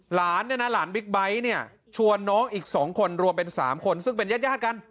หลานเนี่ยนะหลานบิ๊กไบท์เนี่ยชวนน้องอีก๒คนรวมเป็น๓คนซึ่งเป็นญาติกัน